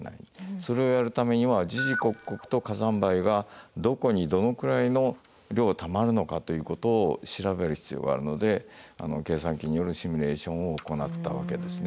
それをやるためには時々刻々と火山灰がどこにどのくらいの量たまるのかということを調べる必要があるので計算機によるシミュレーションを行ったわけですね。